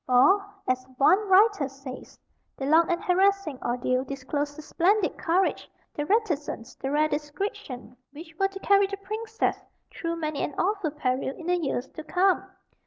For, as one writer says: "The long and harassing ordeal disclosed the splendid courage, the reticence, the rare discretion, which were to carry the Princess through many an awful peril in the years to come.